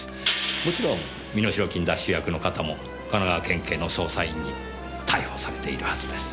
もちろん身代金奪取役の方も神奈川県警の捜査員に逮捕されているはずです。